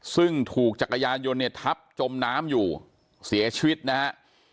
ซึ่งถูกจักรยานยนต์เนี่ยทับจมน้ำอยู่เสียชีวิตนะฮะ